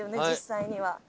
実際には。